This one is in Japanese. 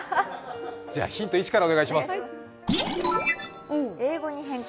じゃ、ヒント１からお願いします。